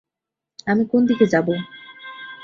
আমি কোন দিকে যাব।